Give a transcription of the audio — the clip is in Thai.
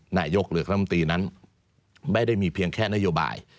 นายกหรือคำตีนั้นไม่ได้มีเพียงแค่นโยบาย